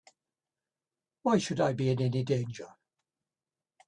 Why should I be in any danger?